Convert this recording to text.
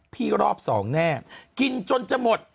รอบสองแน่กินจนจะหมด